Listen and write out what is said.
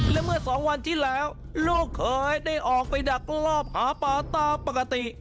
และเมื่อสองวันที่แล้วลูกเคยได้ออกไปดักลอบหาปลาตามปกติ